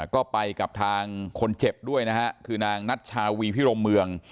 ก็ไปกับทางคนเจ็บด้วยนะฮะคือนางนัชชาวีพิรมเมือง